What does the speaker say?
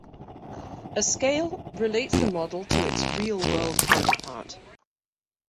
A scale relates the model to its real-world counterpart.